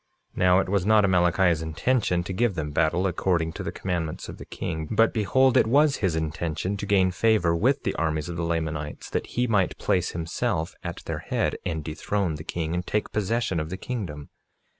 47:8 Now it was not Amalickiah's intention to give them battle according to the commandments of the king; but behold, it was his intention to gain favor with the armies of the Lamanites, that he might place himself at their head and dethrone the king and take possession of the kingdom.